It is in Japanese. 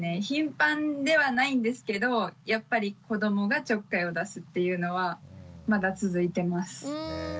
頻繁ではないんですけどやっぱり子どもがちょっかいを出すっていうのはまだ続いてます。